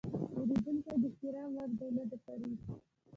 پیرودونکی د احترام وړ دی، نه د فریب.